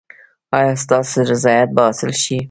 ایا ستاسو رضایت به حاصل شي؟